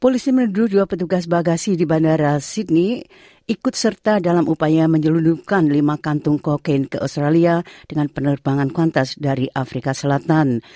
polisi meneduh dua petugas bagasi di bandara sydney ikut serta dalam upaya menyelundupkan lima kantung kokain ke australia dengan penerbangan kontes dari afrika selatan